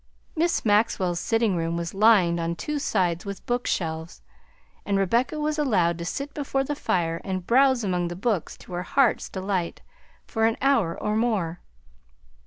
Miss Maxwell's sitting room was lined on two sides with bookshelves, and Rebecca was allowed to sit before the fire and browse among the books to her heart's delight for an hour or more.